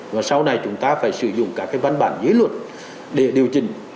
và sau này chúng ta phải sử dụng các cái văn bản dưới luật để điều chỉnh